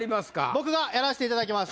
僕がやらしていただきます。